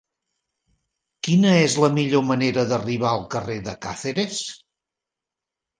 Quina és la millor manera d'arribar al carrer de Càceres?